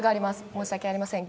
申し訳ありません。